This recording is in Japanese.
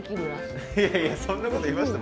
いやいやそんなこと言いました？